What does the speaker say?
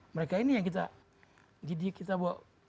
mereka ini yang kita didik kita buat